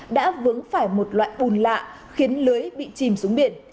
đã vướng phải một loại bùn lạ khiến lưới bị chìm xuống biển